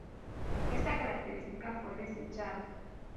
Esta característica fue desechada.